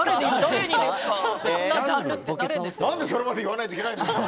何でそれまで言わないといけないんですか！